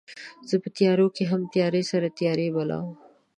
زه په تیارو کې هم تیارې سره تیارې بلوم